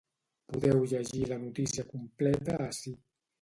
Podeu llegir la notícia completa ací.